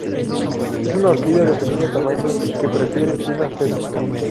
Es una orquídea de pequeño tamaño que prefiere el clima fresco.